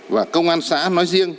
và công an xã nói riêng